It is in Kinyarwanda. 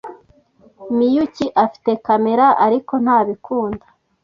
Miyuki afite kamera, ariko ntabikunda.